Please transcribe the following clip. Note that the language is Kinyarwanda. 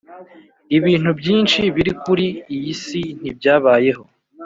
ibintu byinshi biri kuri iyi si ntibyabayeho.